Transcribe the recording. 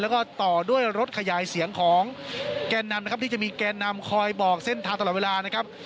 แล้วก็ต่อด้วยรถขยายเสียงของแกนนำนะครับที่จะมีแกนนำคอยบอกเส้นทางตลอดเวลานะครับ